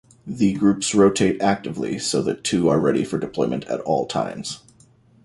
The groups rotate actively, so that two are ready for deployment at all times.